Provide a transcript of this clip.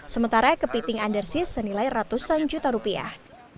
sementara kepiting undersis senilai ratusan juta rupiah